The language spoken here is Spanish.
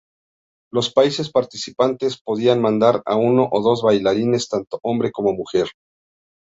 Los países participantes podían mandar a uno o dos bailarines, tanto hombre como mujer.